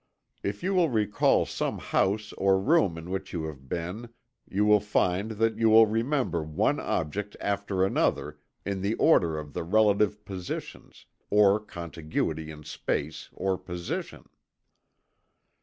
If you will recall some house or room in which you have been, you will find that you will remember one object after another, in the order of the relative positions, or contiguity in space, or position.